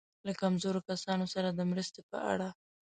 له کمزورو کسانو سره د مرستې په اړه.